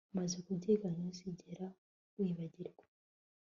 Umaze kubyiga ntuzigera wibagirwa